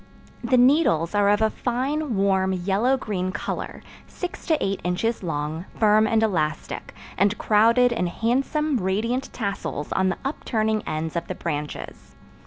The needles are of a fine, warm, yellow green color, six to eight inches long, firm and elastic, and crowded in handsome, radiant tassels on the upturning ends of the branches.